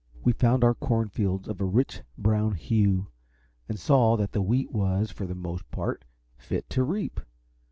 We found our corn fields of a rich brown hue, and saw that the wheat was, for the most part, fit to reap.